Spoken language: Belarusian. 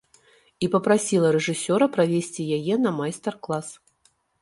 І папрасіла рэжысёра прывесці яе на майстар-клас.